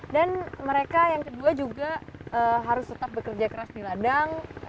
dan mereka yang kedua juga harus tetap bekerja keras di ladang